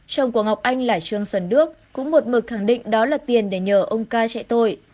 chồng của ngọc anh là trương xuân đức cũng một mực khẳng định đó là tiền để nhờ ông ca chạy tội